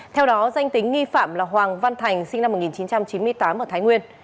theo đó danh tính nghi phạm là hoàng văn thành sinh năm một nghìn chín trăm chín mươi tám ở thái nguyên